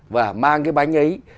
và mang cái bánh ấy